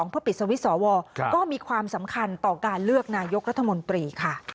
เพื่อปิดสวิตช์สวก็มีความสำคัญต่อการเลือกนายกรัฐมนตรีค่ะ